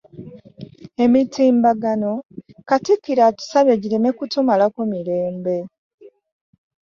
Emitimbagano, katikkiro atusabye gireme kutumalako mirembe